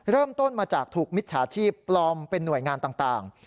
เริ่มต้นมาจากถูกมิจฉาชีพปลอมเป็นหน่วยงานต่าง